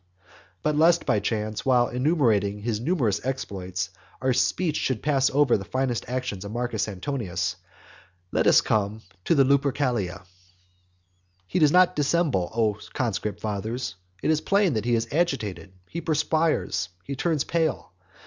But lest by any chance, while enumerating his numerous exploits, our speech should pass over the finest action of Marcus Antonius, let us come to the Lupercalia. XXXIV. He does not dissemble, O conscript fathers; it is plain that he is agitated; he perspires; he turns pale.